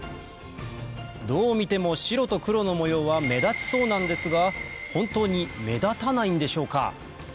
どう見ても白と黒の模様は目立ちそうなんですが本当に目立たないんでしょうか？